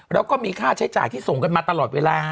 แล้วก็มีค่าใช้จ่ายที่ส่งกันมาตลอดเวลา